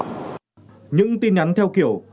những tin nhắn theo kiểu